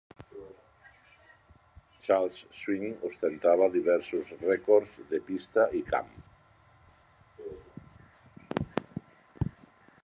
Charles Swink ostentava diversos rècords de pista i camp.